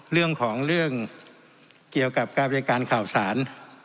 เรื่องของเรื่องเกี่ยวกับการบริการข่าวสาร